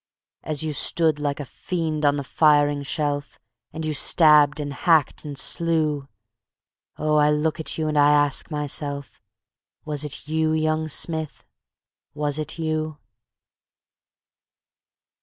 As you stood like a fiend on the firing shelf And you stabbed and hacked and slew. ... Oh, I look at you and I ask myself, Was it you, young Smith, was it you?